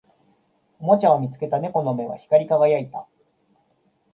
おもちゃを見つけた猫の目は光り輝いた